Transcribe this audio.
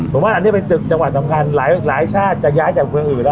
ผมว่าอันนี้เป็นจุดจังหวัดสำคัญหลายชาติจะย้ายจากเมืองอื่นแล้ว